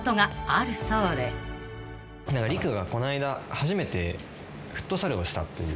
利久がこの間初めてフットサルしたっていう。